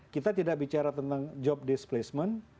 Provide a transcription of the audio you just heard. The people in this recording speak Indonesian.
kita tidak bicara tentang job displacement